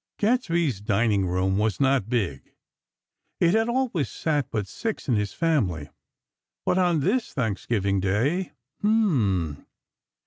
Gadsby's dining room was not big; it had always sat but six in his family. But, on this Thanksgiving Day, hmmm!